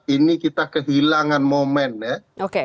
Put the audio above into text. ini kita kehilangan momen ya